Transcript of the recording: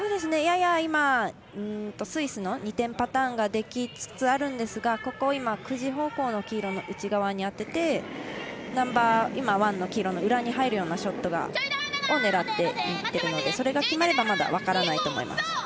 やや、今スイスの２点パターンができつつあるんですが９時方向の黄色の内側に当ててナンバーワンの黄色の裏に入るようなショットを狙っていっているのでそれが決まればまだ分からないと思います。